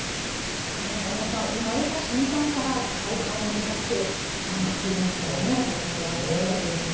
中室さん生まれた瞬間からガオカオに向かって頑張っているみたいなお話もありましたけれども。